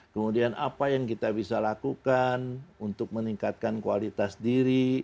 kemudian apa yang kita bisa lakukan untuk meningkatkan kualitas diri